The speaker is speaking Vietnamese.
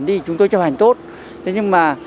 đi chúng tôi chấp hành tốt thế nhưng mà